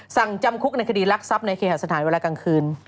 จำคุกในคดีรักทรัพย์ในเคหาสถานเวลากลางคืน